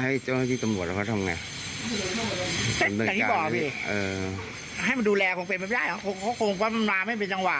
ให้มันดูแลคงเป็นแบบง่ายคงว่ามันมาไม่เป็นจังหวะ